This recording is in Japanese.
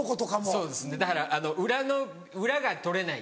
そうですねだから裏の裏が取れない。